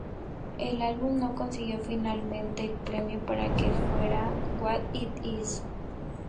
El álbum no consiguió finalmente el premio, que fue para "What It Is!